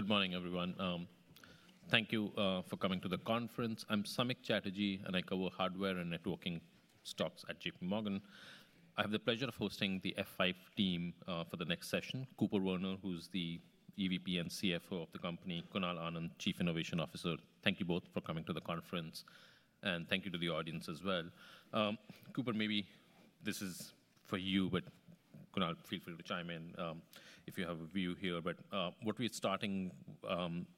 Good morning, everyone. Thank you for coming to the conference. I'm Samik Chatterjee, and I cover hardware and networking stocks at JPMorgan. I have the pleasure of hosting the F5 team for the next session. Cooper Werner, who's the EVP and CFO of the company; Kunal Anand, Chief Innovation Officer. Thank you both for coming to the conference, and thank you to the audience as well. Cooper, maybe this is for you, but Kunal, feel free to chime in if you have a view here. What we're starting,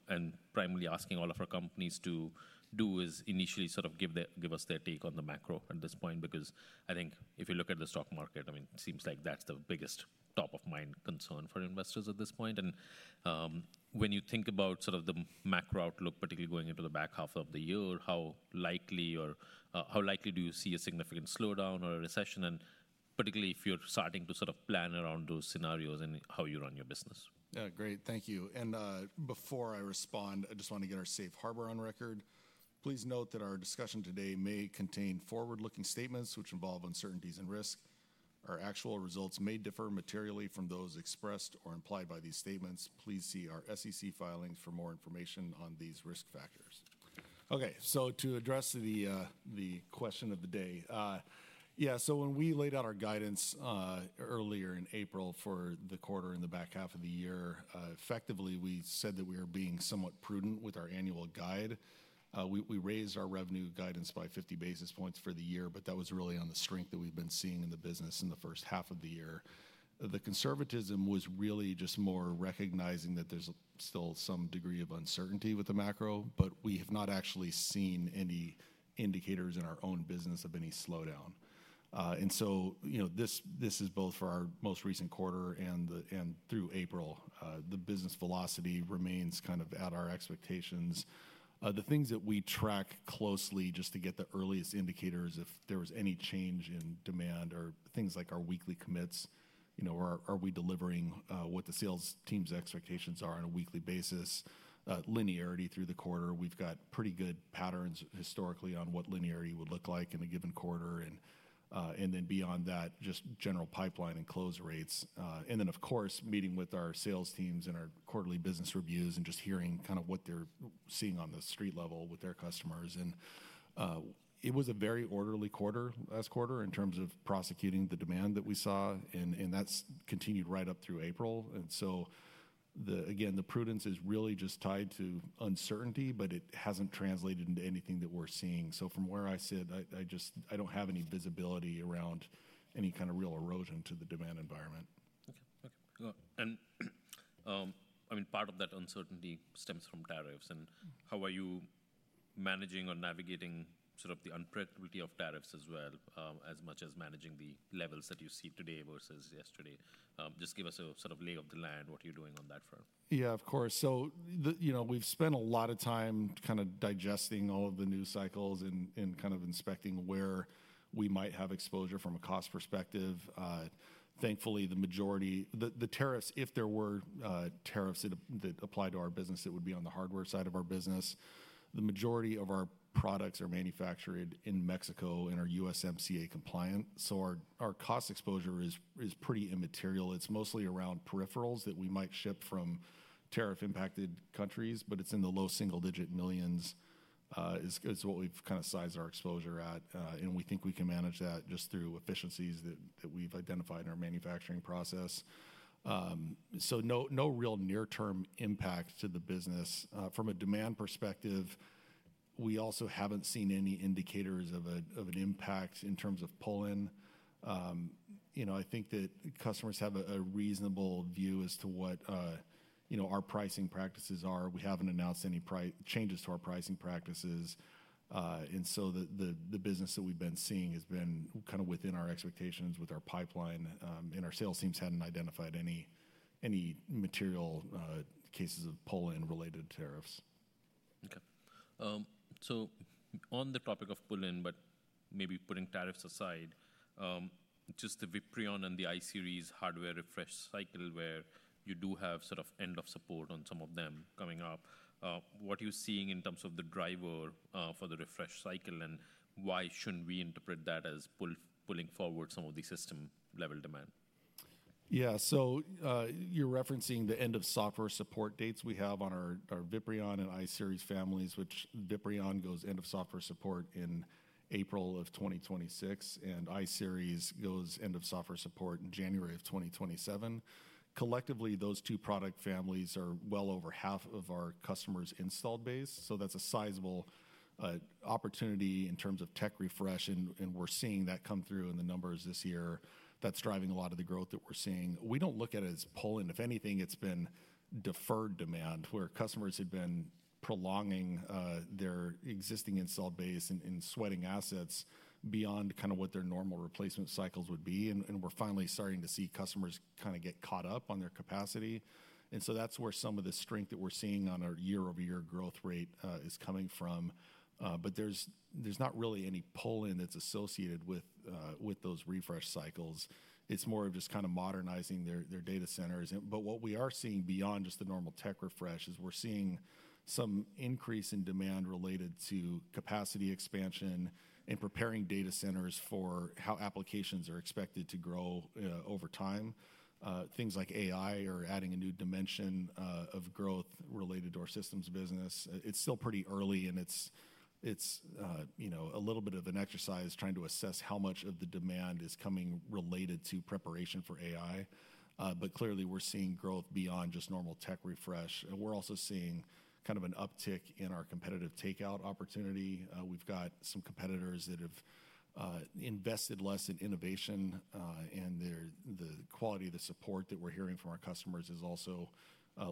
and primarily asking all of our companies to do, is initially sort of give their—give us their take on the macro at this point, because I think if you look at the stock market, I mean, it seems like that's the biggest top-of-mind concern for investors at this point. When you think about sort of the macro outlook, particularly going into the back half of the year, how likely or how likely do you see a significant slowdown or a recession? And particularly if you're starting to sort of plan around those scenarios and how you run your business. Great. Thank you. Before I respond, I just want to get our safe harbor on record. Please note that our discussion today may contain forward-looking statements which involve uncertainties and risk. Our actual results may differ materially from those expressed or implied by these statements. Please see our SEC filings for more information on these risk factors. Okay. To address the question of the day, yeah. When we laid out our guidance earlier in April for the quarter and the back half of the year, effectively, we said that we were being somewhat prudent with our annual guide. We raised our revenue guidance by 50 basis points for the year, but that was really on the strength that we've been seeing in the business in the first half of the year. The conservatism was really just more recognizing that there's still some degree of uncertainty with the macro, but we have not actually seen any indicators in our own business of any slowdown. You know, this is both for our most recent quarter and through April. The business velocity remains kind of at our expectations. The things that we track closely just to get the earliest indicators if there was any change in demand are things like our weekly commits, you know, are we delivering what the sales team's expectations are on a weekly basis, linearity through the quarter. We've got pretty good patterns historically on what linearity would look like in a given quarter. And then beyond that, just general pipeline and close rates. and then, of course, meeting with our sales teams and our quarterly business reviews and just hearing kind of what they're seeing on the street level with their customers. It was a very orderly quarter last quarter in terms of prosecuting the demand that we saw, and that's continued right up through April. The prudence is really just tied to uncertainty, but it hasn't translated into anything that we're seeing. From where I sit, I just—I don't have any visibility around any kind of real erosion to the demand environment. Okay. Okay. Good. I mean, part of that uncertainty stems from tariffs. How are you managing or navigating sort of the unpredictability of tariffs as well, as much as managing the levels that you see today versus yesterday? Just give us a sort of lay of the land, what you're doing on that front. Yeah, of course. So, you know, we've spent a lot of time kind of digesting all of the news cycles and kind of inspecting where we might have exposure from a cost perspective. Thankfully, the majority—the tariffs, if there were tariffs that apply to our business, it would be on the hardware side of our business. The majority of our products are manufactured in Mexico and are USMCA compliant. So our cost exposure is pretty immaterial. It's mostly around peripherals that we might ship from tariff-impacted countries, but it's in the low single-digit millions, is what we've kind of sized our exposure at. We think we can manage that just through efficiencies that we've identified in our manufacturing process. No real near-term impact to the business. From a demand perspective, we also haven't seen any indicators of an impact in terms of pull-in. You know, I think that customers have a reasonable view as to what, you know, our pricing practices are. We haven't announced any price changes to our pricing practices, and so the business that we've been seeing has been kind of within our expectations with our pipeline. Our sales teams hadn't identified any material cases of pull-in related to tariffs. Okay. So on the topic of pull-in, but maybe putting tariffs aside, just the VIPRION and the iSeries hardware refresh cycle where you do have sort of end-of-support on some of them coming up. What are you seeing in terms of the driver for the refresh cycle, and why shouldn't we interpret that as pulling, pulling forward some of the system-level demand? Yeah. So, you're referencing the end-of-software support dates we have on our VIPRION and iSeries families, which VIPRION goes end-of-software support in April of 2026, and iSeries goes end-of-software support in January of 2027. Collectively, those two product families are well over half of our customers' installed base. That's a sizable opportunity in terms of tech refresh, and we're seeing that come through in the numbers this year. That's driving a lot of the growth that we're seeing. We don't look at it as pull-in. If anything, it's been deferred demand where customers had been prolonging their existing installed base and sweating assets beyond kind of what their normal replacement cycles would be. We're finally starting to see customers kind of get caught up on their capacity. That is where some of the strength that we are seeing on our year-over-year growth rate is coming from. There is not really any pull-in that is associated with those refresh cycles. It is more of just kind of modernizing their data centers. What we are seeing beyond just the normal tech refresh is we are seeing some increase in demand related to capacity expansion and preparing data centers for how applications are expected to grow over time. Things like AI are adding a new dimension of growth related to our systems business. It is still pretty early, and it is, you know, a little bit of an exercise trying to assess how much of the demand is coming related to preparation for AI. Clearly, we are seeing growth beyond just normal tech refresh. We are also seeing kind of an uptick in our competitive takeout opportunity. We've got some competitors that have invested less in innovation, and the quality of the support that we're hearing from our customers is also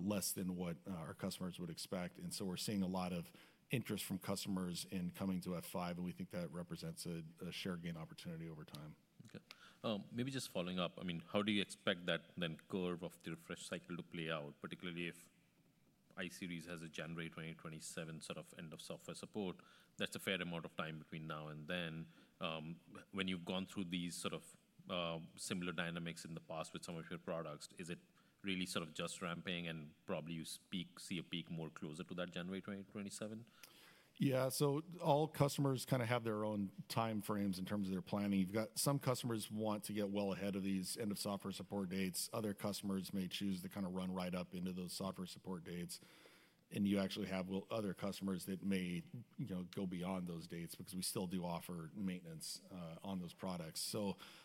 less than what our customers would expect. We are seeing a lot of interest from customers in coming to F5, and we think that represents a share gain opportunity over time. Okay. Maybe just following up, I mean, how do you expect that then curve of the refresh cycle to play out, particularly if iSeries has a January 2027 sort of end-of-software support? That's a fair amount of time between now and then. When you've gone through these sort of, similar dynamics in the past with some of your products, is it really sort of just ramping, and probably you see a peak more closer to that January 2027? Yeah. So all customers kind of have their own timeframes in terms of their planning. You've got some customers who want to get well ahead of these end-of-software support dates. Other customers may choose to kind of run right up into those software support dates. You actually have other customers that may, you know, go beyond those dates because we still do offer maintenance on those products.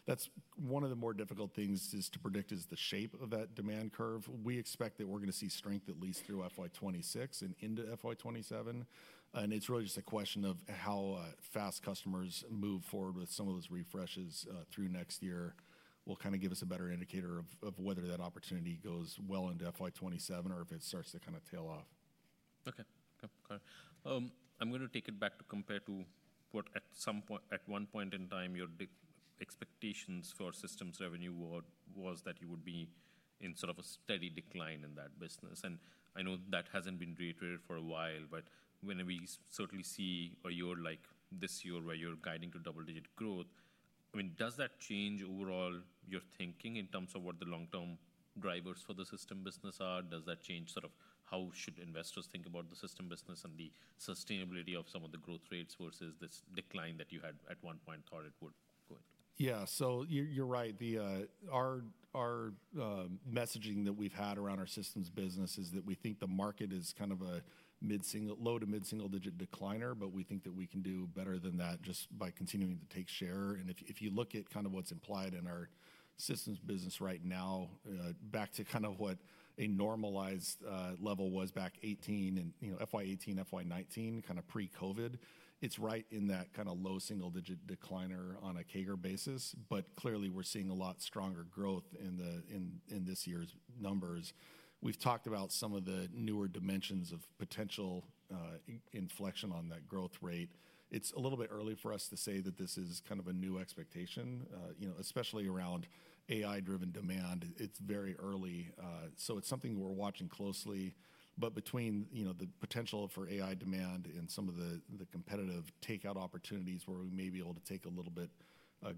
That's one of the more difficult things to predict, the shape of that demand curve. We expect that we're going to see strength at least through FY 2026 and into FY 2027. It's really just a question of how fast customers move forward with some of those refreshes. Through next year will kind of give us a better indicator of whether that opportunity goes well into FY 2027 or if it starts to kind of tail off. Okay. Okay. Got it. I'm going to take it back to compare to what at some point—at one point in time, your expectations for systems revenue was, was that you would be in sort of a steady decline in that business. I know that hasn't been reiterated for a while, but when we certainly see a year like this year where you're guiding to double-digit growth, I mean, does that change overall your thinking in terms of what the long-term drivers for the system business are? Does that change sort of how should investors think about the system business and the sustainability of some of the growth rates versus this decline that you had at one point thought it would go into? Yeah. You're right. Our messaging that we've had around our systems business is that we think the market is kind of a low to mid-single-digit decliner, but we think that we can do better than that just by continuing to take share. If you look at kind of what's implied in our systems business right now, back to kind of what a normalized level was back in 2018 and, you know, fiscal year 2018, fiscal year 2019, kind of pre-COVID, it's right in that kind of low single-digit decline on a CAGR basis. Clearly, we're seeing a lot stronger growth in this year's numbers. We've talked about some of the newer dimensions of potential inflection on that growth rate. It's a little bit early for us to say that this is kind of a new expectation, you know, especially around AI-driven demand. It's very early. It's something we're watching closely. Between, you know, the potential for AI demand and some of the competitive takeout opportunities where we may be able to take a little bit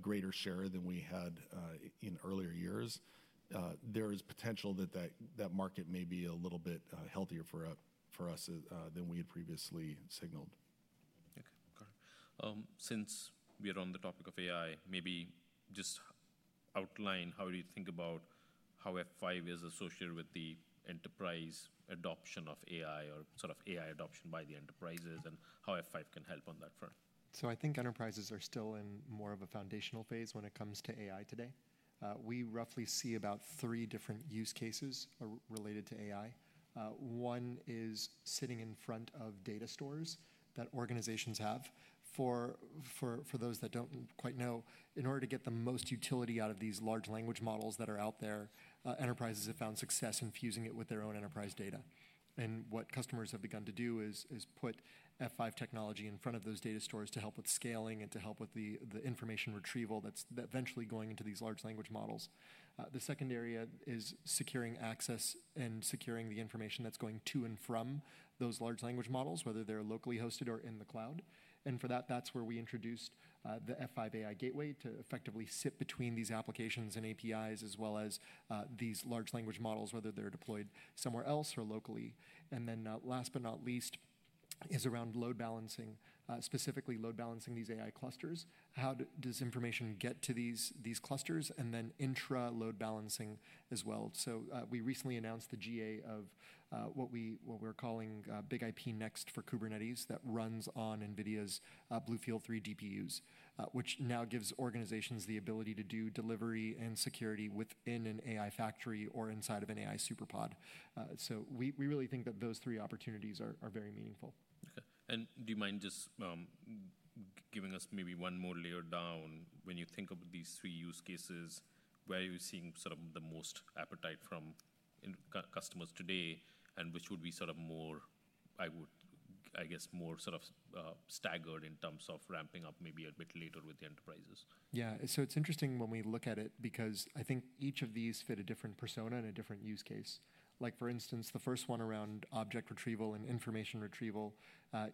greater share than we had in earlier years, there is potential that that market may be a little bit healthier for us than we had previously signaled. Okay. Got it. Since we are on the topic of AI, maybe just outline how you think about how F5 is associated with the enterprise adoption of AI or sort of AI adoption by the enterprises and how F5 can help on that front. I think enterprises are still in more of a foundational phase when it comes to AI today. We roughly see about three different use cases related to AI. One is sitting in front of data stores that organizations have. For those that don't quite know, in order to get the most utility out of these large language models that are out there, enterprises have found success infusing it with their own enterprise data. What customers have begun to do is put F5 technology in front of those data stores to help with scaling and to help with the information retrieval that's eventually going into these large language models. The second area is securing access and securing the information that's going to and from those large language models, whether they're locally hosted or in the cloud. For that, that's where we introduced the F5 AI Gateway to effectively sit between these applications and APIs as well as these large language models, whether they're deployed somewhere else or locally. Last but not least is around load balancing, specifically load balancing these AI clusters. How does information get to these clusters and then intra load balancing as well? We recently announced the GA of what we're calling BIG-IP Next for Kubernetes that runs on NVIDIA's BlueField 3 GPUs, which now gives organizations the ability to do delivery and security within an AI factory or inside of an AI superpod. We really think that those three opportunities are very meaningful. Okay. Do you mind just giving us maybe one more layer down when you think about these three use cases where you're seeing sort of the most appetite from customers today and which would be sort of more, I would, I guess, more sort of staggered in terms of ramping up maybe a bit later with the enterprises? Yeah. It's interesting when we look at it because I think each of these fit a different persona and a different use case. For instance, the first one around object retrieval and information retrieval,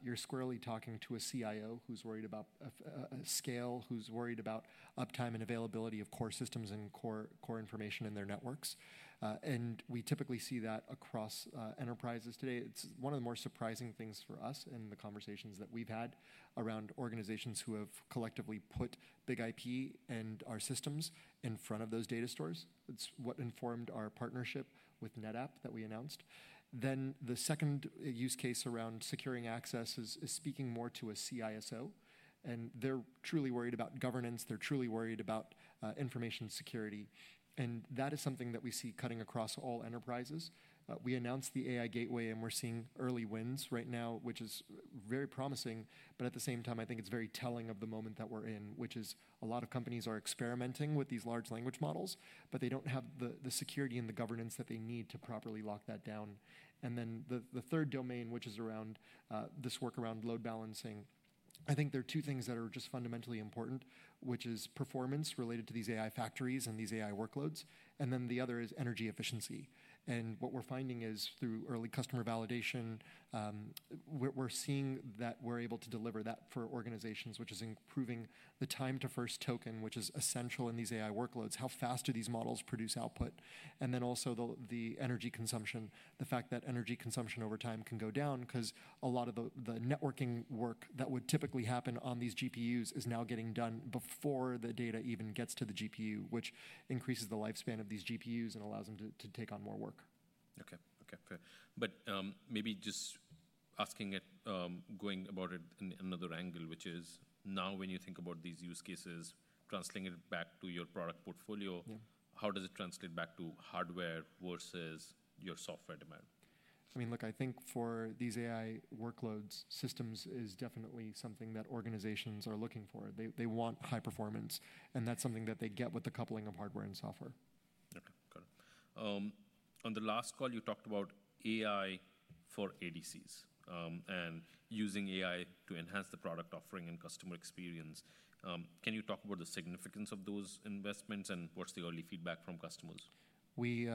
you're squarely talking to a CIO who's worried about scale, who's worried about uptime and availability of core systems and core information in their networks. We typically see that across enterprises today. It's one of the more surprising things for us in the conversations that we've had around organizations who have collectively put BIG-IP and our systems in front of those data stores. It's what informed our partnership with NetApp that we announced. The second use case around securing access is speaking more to a CISO. They're truly worried about governance. They're truly worried about information security. That is something that we see cutting across all enterprises. We announced the AI Gateway, and we're seeing early wins right now, which is very promising. At the same time, I think it's very telling of the moment that we're in, which is a lot of companies are experimenting with these large language models, but they do not have the security and the governance that they need to properly lock that down. The third domain, which is around this work around load balancing, I think there are two things that are just fundamentally important, which is performance related to these AI factories and these AI workloads. The other is energy efficiency. What we're finding is through early customer validation, we're seeing that we're able to deliver that for organizations, which is improving the time to first token, which is essential in these AI workloads. How fast do these models produce output? Also, the energy consumption, the fact that energy consumption over time can go down because a lot of the networking work that would typically happen on these GPUs is now getting done before the data even gets to the GPU, which increases the lifespan of these GPUs and allows them to take on more work. Okay. Okay. Fair. Maybe just asking it, going about it in another angle, which is now when you think about these use cases, translating it back to your product portfolio, how does it translate back to hardware versus your software demand? I mean, look, I think for these AI workloads, systems is definitely something that organizations are looking for. They want high performance, and that's something that they get with the coupling of hardware and software. Okay. Got it. On the last call, you talked about AI for ADCs, and using AI to enhance the product offering and customer experience. Can you talk about the significance of those investments and what's the early feedback from customers? We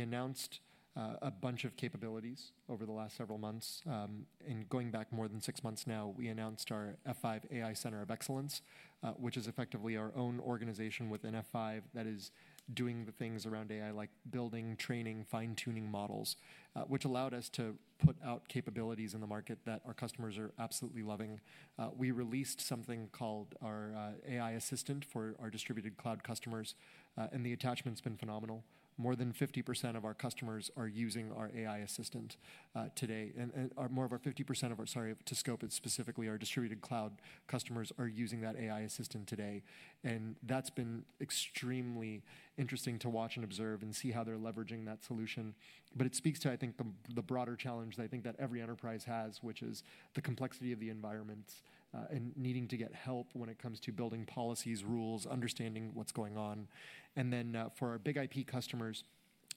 announced a bunch of capabilities over the last several months. Going back more than six months now, we announced our F5 AI Center of Excellence, which is effectively our own organization within F5 that is doing the things around AI, like building, training, fine-tuning models, which allowed us to put out capabilities in the market that our customers are absolutely loving. We released something called our AI Assistant for our distributed cloud customers, and the attachment's been phenomenal. More than 50% of our customers are using our AI Assistant today. More than 50% of our—sorry, to scope it specifically, our distributed cloud customers are using that AI Assistant today. That has been extremely interesting to watch and observe and see how they're leveraging that solution. It speaks to, I think, the broader challenge that I think every enterprise has, which is the complexity of the environments, and needing to get help when it comes to building policies, rules, understanding what's going on. For our BIG-IP customers,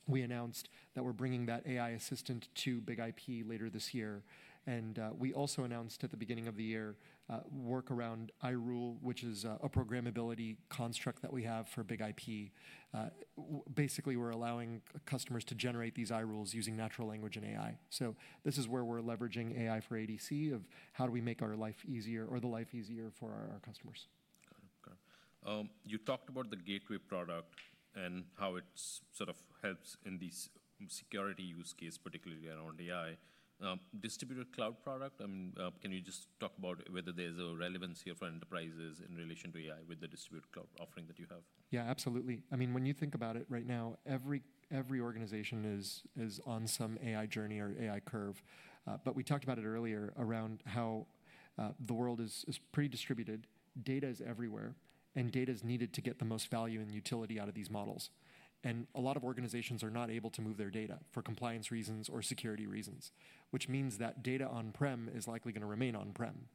we announced that we're bringing that AI Assistant to BIG-IP later this year. We also announced at the beginning of the year, work around iRule, which is a programmability construct that we have for BIG-IP. Basically, we're allowing customers to generate these iRules using natural language and AI. This is where we're leveraging AI for ADC of how do we make our life easier or the life easier for our customers. Got it. Got it. You talked about the Gateway product and how it sort of helps in these security use cases, particularly around AI. Distributed Cloud product, I mean, can you just talk about whether there's a relevancy for enterprises in relation to AI with the Distributed Cloud offering that you have? Yeah, absolutely. I mean, when you think about it right now, every organization is on some AI journey or AI curve. We talked about it earlier around how the world is predistributed, data is everywhere, and data is needed to get the most value and utility out of these models. A lot of organizations are not able to move their data for compliance reasons or security reasons, which means that data on-prem is likely going to remain on-prem.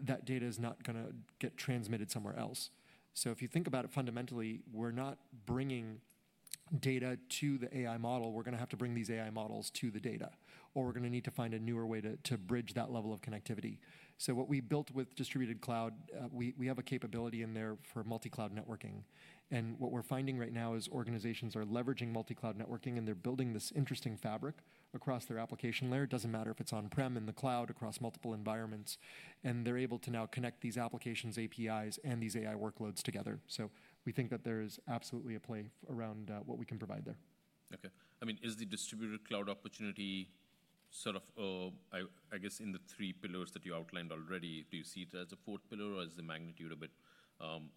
That data is not going to get transmitted somewhere else. If you think about it fundamentally, we're not bringing data to the AI model. We're going to have to bring these AI models to the data, or we're going to need to find a newer way to bridge that level of connectivity. What we built with Distributed Cloud, we have a capability in there for multi-cloud networking. What we're finding right now is organizations are leveraging multi-cloud networking, and they're building this interesting fabric across their application layer. It doesn't matter if it's on-prem, in the cloud, across multiple environments. They're able to now connect these applications, APIs, and these AI workloads together. We think that there is absolutely a play around what we can provide there. Okay. I mean, is the Distributed Cloud opportunity sort of, I guess in the three pillars that you outlined already, do you see it as a fourth pillar or is the magnitude a bit,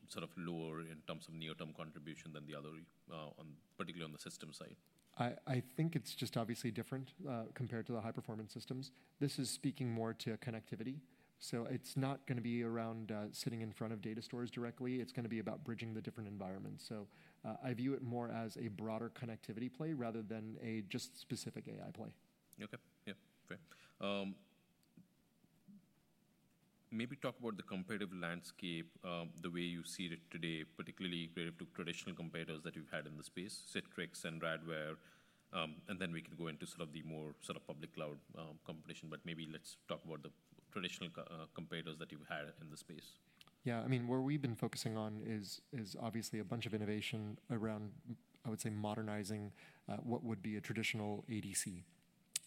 sort of lower in terms of near-term contribution than the other, particularly on the system side? I think it's just obviously different, compared to the high-performance systems. This is speaking more to connectivity. It's not going to be around, sitting in front of data stores directly. It's going to be about bridging the different environments. I view it more as a broader connectivity play rather than a just specific AI play. Okay. Yeah. Fair. Maybe talk about the competitive landscape, the way you see it today, particularly relative to traditional competitors that you've had in the space, Citrix and Radware. And then we can go into sort of the more sort of public cloud competition, but maybe let's talk about the traditional competitors that you've had in the space. Yeah. I mean, where we've been focusing on is, is obviously a bunch of innovation around, I would say, modernizing what would be a traditional ADC.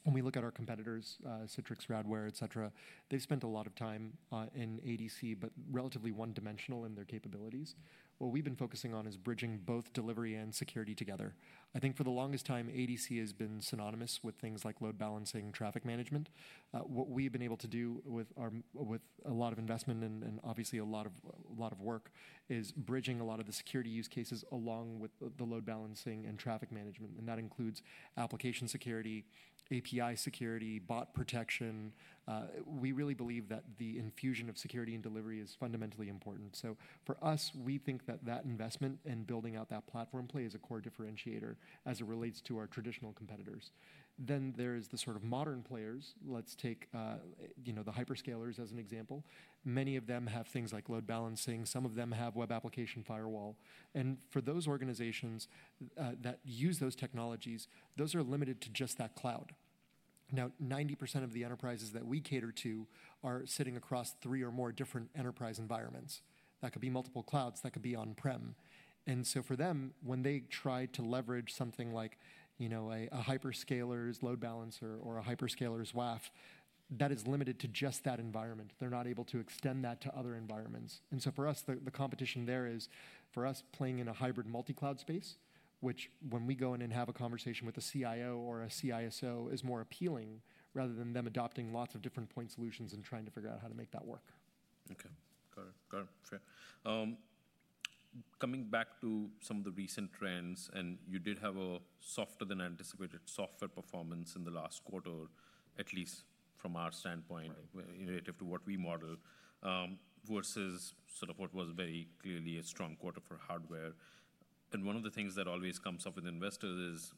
When we look at our competitors, Citrix, Radware, et cetera, they've spent a lot of time in ADC, but relatively one-dimensional in their capabilities. What we've been focusing on is bridging both delivery and security together. I think for the longest time, ADC has been synonymous with things like load balancing, traffic management. What we've been able to do with our, with a lot of investment and, and obviously a lot of, a lot of work is bridging a lot of the security use cases along with the load balancing and traffic management. That includes application security, API security, bot protection. We really believe that the infusion of security and delivery is fundamentally important. For us, we think that that investment and building out that platform play is a core differentiator as it relates to our traditional competitors. Then there is the sort of modern players. Let's take, you know, the hyperscalers as an example. Many of them have things like load balancing. Some of them have web application firewall. For those organizations that use those technologies, those are limited to just that cloud. Now, 90% of the enterprises that we cater to are sitting across three or more different enterprise environments. That could be multiple clouds. That could be on-prem. For them, when they try to leverage something like, you know, a hyperscaler's load balancer or a hyperscaler's WAF, that is limited to just that environment. They're not able to extend that to other environments. For us, the competition there is for us playing in a hybrid multi-cloud space, which when we go in and have a conversation with a CIO or a CISO is more appealing rather than them adopting lots of different point solutions and trying to figure out how to make that work. Okay. Got it. Got it. Fair. Coming back to some of the recent trends, and you did have a softer than anticipated software performance in the last quarter, at least from our standpoint, relative to what we model, versus sort of what was very clearly a strong quarter for hardware. One of the things that always comes up with investors is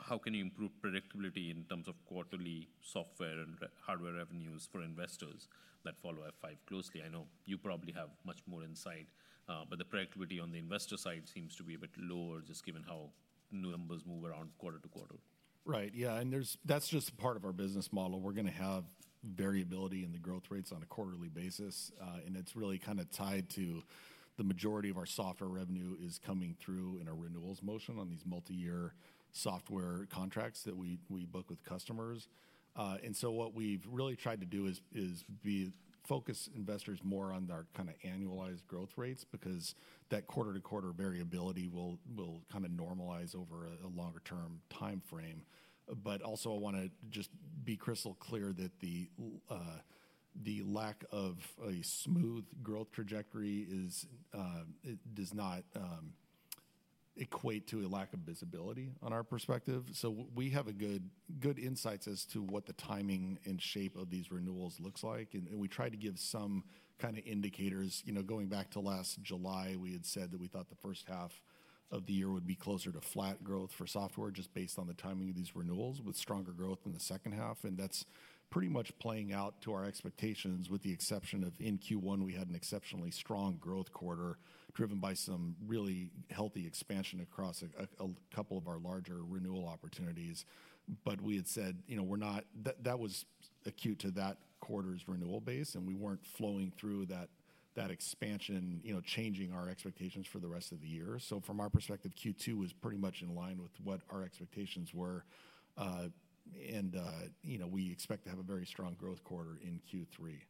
how can you improve predictability in terms of quarterly software and hardware revenues for investors that follow F5 closely? I know you probably have much more insight, but the predictability on the investor side seems to be a bit lower just given how numbers move around quarter to quarter. Right. Yeah. That is just part of our business model. We are going to have variability in the growth rates on a quarterly basis, and it is really kind of tied to the majority of our software revenue coming through in a renewals motion on these multi-year software contracts that we book with customers. What we have really tried to do is focus investors more on our kind of annualized growth rates because that quarter-to-quarter variability will kind of normalize over a longer-term time frame. I want to just be crystal clear that the lack of a smooth growth trajectory does not equate to a lack of visibility on our perspective. We have good insights as to what the timing and shape of these renewals looks like. We try to give some kind of indicators. You know, going back to last July, we had said that we thought the first half of the year would be closer to flat growth for software just based on the timing of these renewals with stronger growth in the second half. That is pretty much playing out to our expectations with the exception of in Q1, we had an exceptionally strong growth quarter driven by some really healthy expansion across a couple of our larger renewal opportunities. We had said, you know, we're not, that was acute to that quarter's renewal base, and we were not flowing through that expansion, you know, changing our expectations for the rest of the year. From our perspective, Q2 was pretty much in line with what our expectations were. And, you know, we expect to have a very strong growth quarter in Q3.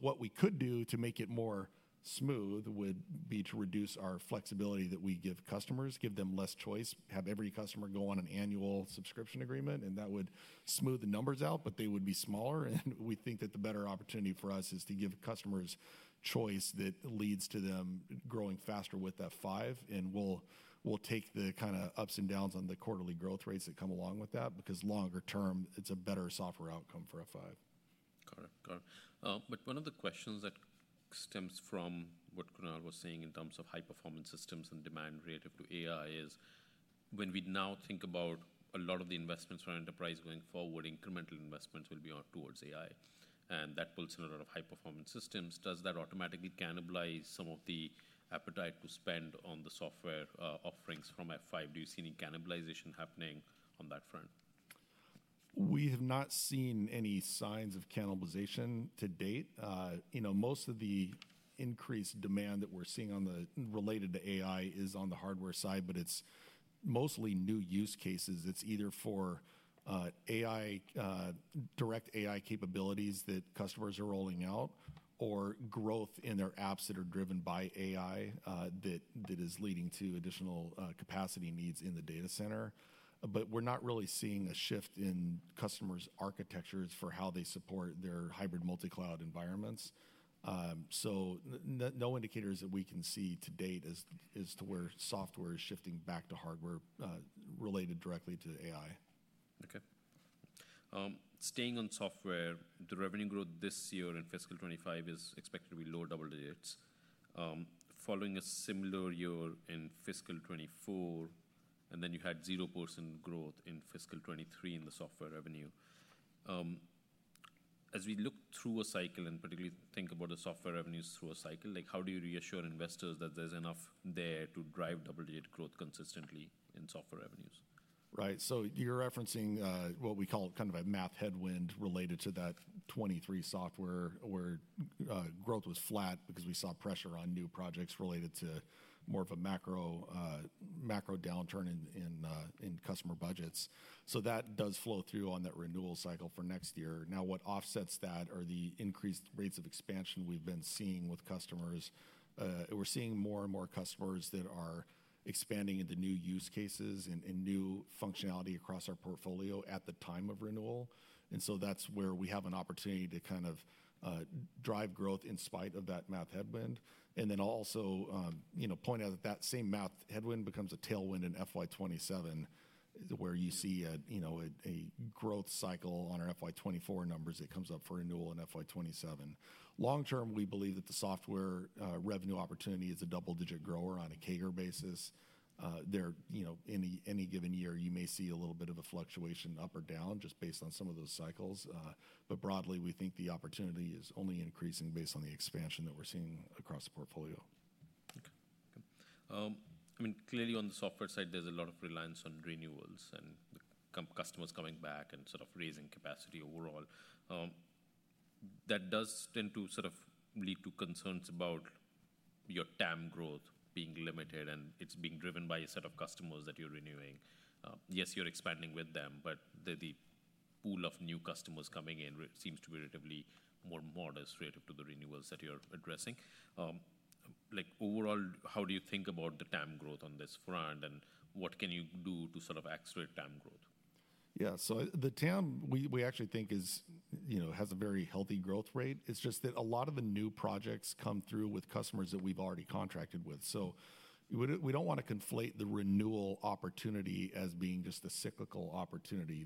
What we could do to make it more smooth would be to reduce our flexibility that we give customers, give them less choice, have every customer go on an annual subscription agreement, and that would smooth the numbers out, but they would be smaller. We think that the better opportunity for us is to give customers choice that leads to them growing faster with F5. We'll take the kind of ups and downs on the quarterly growth rates that come along with that because longer term, it's a better software outcome for F5. Got it. Got it. One of the questions that stems from what Kunal was saying in terms of high-performance systems and demand relative to AI is when we now think about a lot of the investments for enterprise going forward, incremental investments will be towards AI, and that puts in a lot of high-performance systems. Does that automatically cannibalize some of the appetite to spend on the software offerings from F5? Do you see any cannibalization happening on that front? We have not seen any signs of cannibalization to date. You know, most of the increased demand that we're seeing related to AI is on the hardware side, but it's mostly new use cases. It's either for AI, direct AI capabilities that customers are rolling out or growth in their apps that are driven by AI, that is leading to additional capacity needs in the data center. We're not really seeing a shift in customers' architectures for how they support their hybrid multi-cloud environments. No indicators that we can see to date as to where software is shifting back to hardware, related directly to AI. Okay. Staying on software, the revenue growth this year in fiscal 2025 is expected to be low double digits, following a similar year in fiscal 2024, and then you had 0% growth in fiscal 2023 in the software revenue. As we look through a cycle and particularly think about the software revenues through a cycle, like how do you reassure investors that there's enough there to drive double-digit growth consistently in software revenues? Right. You're referencing what we call kind of a math headwind related to that 2023 software where growth was flat because we saw pressure on new projects related to more of a macro downturn in customer budgets. That does flow through on that renewal cycle for next year. What offsets that are the increased rates of expansion we've been seeing with customers. We're seeing more and more customers that are expanding into new use cases and new functionality across our portfolio at the time of renewal. That's where we have an opportunity to kind of drive growth in spite of that math headwind. I'll also, you know, point out that that same math headwind becomes a tailwind in FY 2027 where you see a growth cycle on our FY 2024 numbers that comes up for renewal in FY 2027. Long term, we believe that the software revenue opportunity is a double-digit grower on a CAGR basis. There, you know, any given year, you may see a little bit of a fluctuation up or down just based on some of those cycles. Broadly, we think the opportunity is only increasing based on the expansion that we're seeing across the portfolio. Okay. I mean, clearly on the software side, there's a lot of reliance on renewals and customers coming back and sort of raising capacity overall. That does tend to sort of lead to concerns about your TAM growth being limited and it's being driven by a set of customers that you're renewing. Yes, you're expanding with them, but the pool of new customers coming in seems to be relatively more modest relative to the renewals that you're addressing. Like overall, how do you think about the TAM growth on this front and what can you do to sort of accelerate TAM growth? Yeah. So the TAM, we actually think is, you know, has a very healthy growth rate. It's just that a lot of the new projects come through with customers that we've already contracted with. We don't want to conflate the renewal opportunity as being just a cyclical opportunity.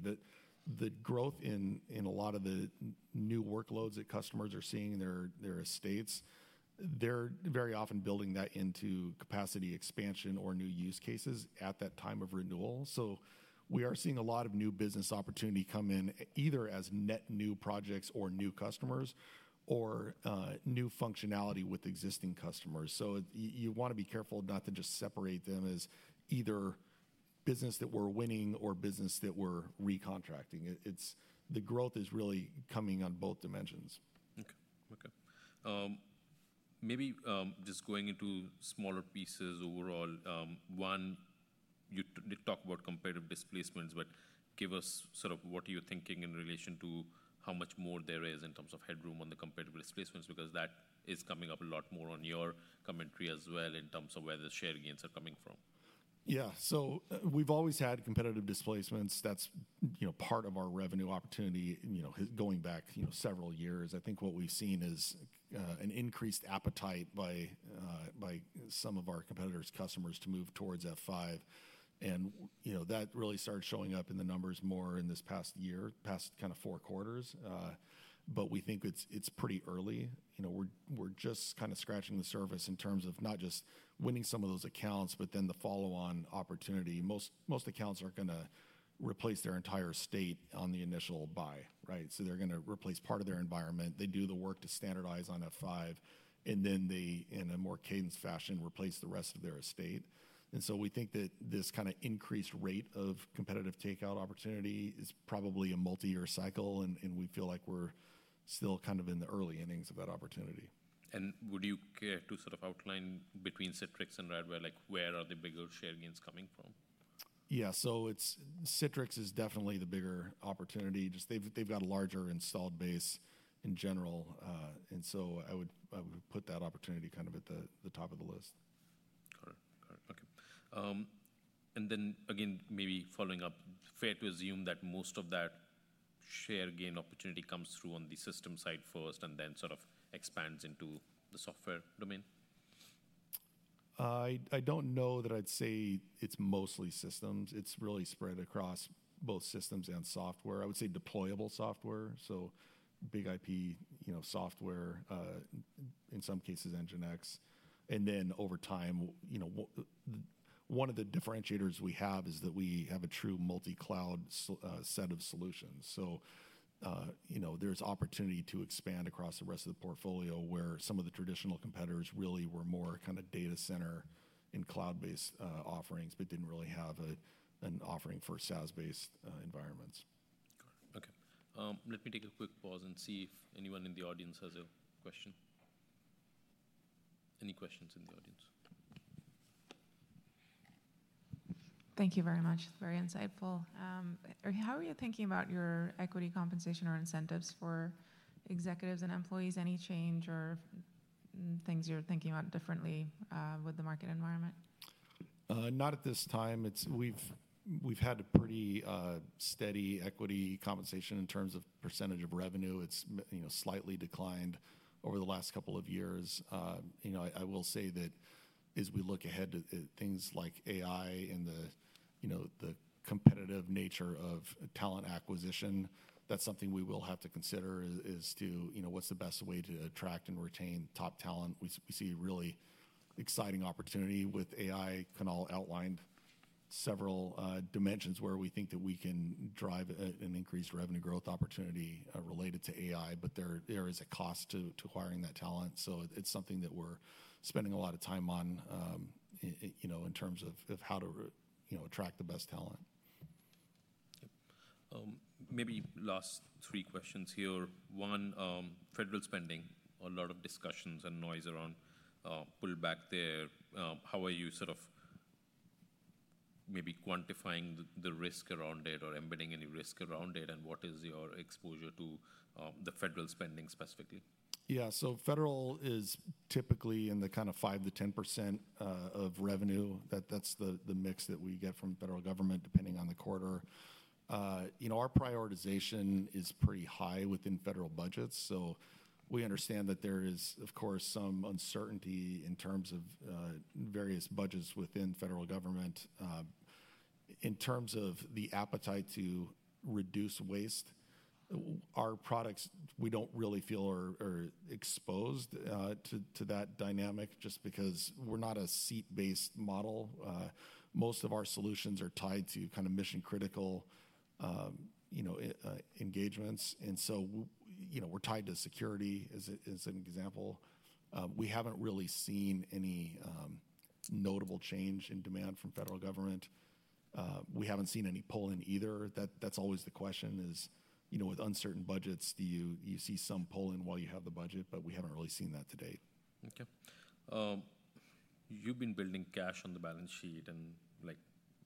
The growth in a lot of the new workloads that customers are seeing in their estates, they're very often building that into capacity expansion or new use cases at that time of renewal. We are seeing a lot of new business opportunity come in either as net new projects or new customers or new functionality with existing customers. You want to be careful not to just separate them as either business that we're winning or business that we're recontracting. The growth is really coming on both dimensions. Okay. Okay. Maybe, just going into smaller pieces overall, one, you talk about competitive displacements, but give us sort of what you're thinking in relation to how much more there is in terms of headroom on the competitive displacements because that is coming up a lot more on your commentary as well in terms of where the share gains are coming from. Yeah. So we've always had competitive displacements. That's, you know, part of our revenue opportunity, you know, going back, you know, several years. I think what we've seen is, an increased appetite by, by some of our competitors' customers to move towards F5. And, you know, that really started showing up in the numbers more in this past year, past kind of four quarters. We think it's, it's pretty early. You know, we're, we're just kind of scratching the surface in terms of not just winning some of those accounts, but then the follow-on opportunity. Most accounts aren't going to replace their entire estate on the initial buy, right? So they're going to replace part of their environment. They do the work to standardize on F5, and then they, in a more cadence fashion, replace the rest of their estate. We think that this kind of increased rate of competitive takeout opportunity is probably a multi-year cycle, and we feel like we're still kind of in the early innings of that opportunity. Would you care to sort of outline between Citrix and Radware, like where are the bigger share gains coming from? Yeah. Citrix is definitely the bigger opportunity. Just they've got a larger installed base in general, and so I would put that opportunity kind of at the top of the list. Got it. Got it. Okay. And then again, maybe following up, fair to assume that most of that share gain opportunity comes through on the system side first and then sort of expands into the software domain? I don't know that I'd say it's mostly systems. It's really spread across both systems and software. I would say deployable software. So BIG-IP, you know, software, in some cases NGINX. And then over time, you know, one of the differentiators we have is that we have a true multi-cloud, set of solutions. You know, there's opportunity to expand across the rest of the portfolio where some of the traditional competitors really were more kind of data center and cloud-based, offerings, but didn't really have an offering for SaaS-based, environments. Got it. Okay. Let me take a quick pause and see if anyone in the audience has a question. Any questions in the audience? Thank you very much. It's very insightful. How are you thinking about your equity compensation or incentives for executives and employees? Any change or things you're thinking about differently, with the market environment? Not at this time. We've had a pretty steady equity compensation in terms of percentage of revenue. It's slightly declined over the last couple of years. I will say that as we look ahead to things like AI and the competitive nature of talent acquisition, that's something we will have to consider, to, you know, what's the best way to attract and retain top talent. We see a really exciting opportunity with AI. Kunal outlined several dimensions where we think that we can drive an increased revenue growth opportunity related to AI, but there is a cost to acquiring that talent. It's something that we're spending a lot of time on, in terms of how to attract the best talent. Maybe last three questions here. One, federal spending, a lot of discussions and noise around pullback there. How are you sort of maybe quantifying the risk around it or embedding any risk around it? And what is your exposure to the federal spending specifically? Yeah. So federal is typically in the kind of 5-10% of revenue. That's the, the mix that we get from federal government depending on the quarter. You know, our prioritization is pretty high within federal budgets. So we understand that there is, of course, some uncertainty in terms of various budgets within federal government. In terms of the appetite to reduce waste, our products, we do not really feel are, are exposed to, to that dynamic just because we are not a seat-based model. Most of our solutions are tied to kind of mission-critical, you know, engagements. And you know, we are tied to security as an example. We have not really seen any notable change in demand from federal government. We have not seen any pulling either. That, that's always the question is, you know, with uncertain budgets, do you, you see some pull-in while you have the budget, but we haven't really seen that to date. Okay. You've been building cash on the balance sheet and like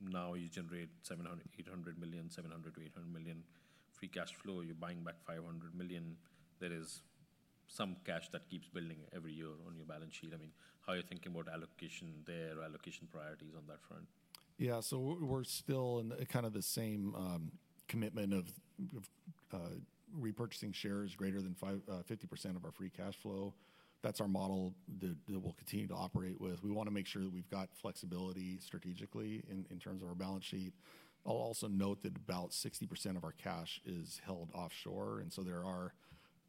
now you generate $700 million-$800 million, $700 million to $800 million free cash flow. You're buying back $500 million. There is some cash that keeps building every year on your balance sheet. I mean, how are you thinking about allocation there or allocation priorities on that front? Yeah. So we're still in kind of the same commitment of repurchasing shares greater than 50% of our free cash flow. That's our model that we'll continue to operate with. We want to make sure that we've got flexibility strategically in terms of our balance sheet. I'll also note that about 60% of our cash is held offshore.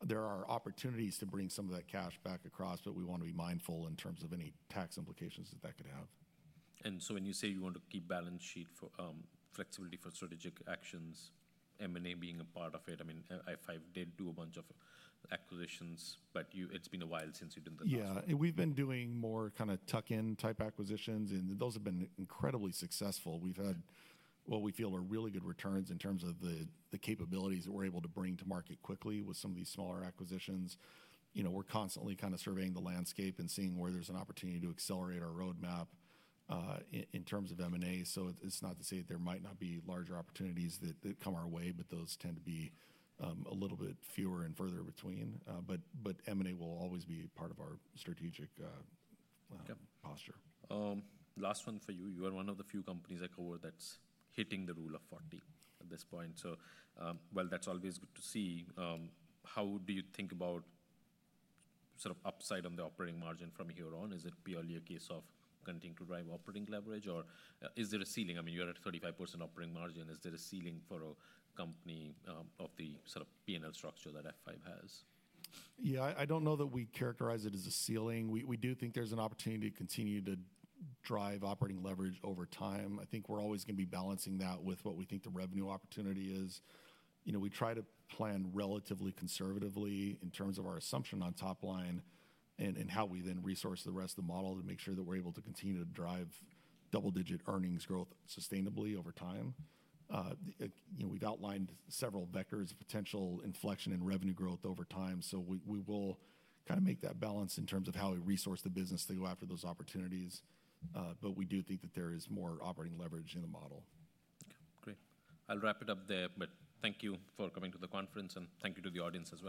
There are opportunities to bring some of that cash back across, but we want to be mindful in terms of any tax implications that that could have. When you say you want to keep balance sheet for flexibility for strategic actions, M&A being a part of it, I mean, F5 did do a bunch of acquisitions, but you, it's been a while since you did that. Yeah. We've been doing more kind of tuck-in type acquisitions and those have been incredibly successful. We've had what we feel are really good returns in terms of the capabilities that we're able to bring to market quickly with some of these smaller acquisitions. You know, we're constantly kind of surveying the landscape and seeing where there's an opportunity to accelerate our roadmap, in terms of M&A. It's not to say that there might not be larger opportunities that come our way, but those tend to be a little bit fewer and further between. M&A will always be part of our strategic posture. Last one for you. You are one of the few companies I cover that's hitting the rule of 40 at this point. That is always good to see. How do you think about sort of upside on the operating margin from here on? Is it purely a case of continuing to drive operating leverage or is there a ceiling? I mean, you're at a 35% operating margin. Is there a ceiling for a company, of the sort of P&L structure that F5 has? Yeah. I don't know that we characterize it as a ceiling. We do think there's an opportunity to continue to drive operating leverage over time. I think we're always going to be balancing that with what we think the revenue opportunity is. You know, we try to plan relatively conservatively in terms of our assumption on top line and how we then resource the rest of the model to make sure that we're able to continue to drive double-digit earnings growth sustainably over time. You know, we've outlined several vectors of potential inflection in revenue growth over time. We will kind of make that balance in terms of how we resource the business to go after those opportunities. We do think that there is more operating leverage in the model. Okay. Great. I'll wrap it up there, but thank you for coming to the conference and thank you to the audience.